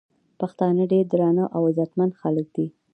پښتانه ډير درانه او عزتمن خلک دي